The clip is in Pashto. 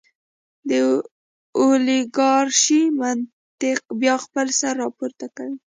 د اولیګارشۍ منطق بیا خپل سر راپورته کوي.